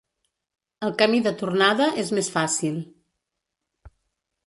El camí de tornada és més fàcil.